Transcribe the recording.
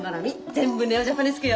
全部ネオジャパネスクよ。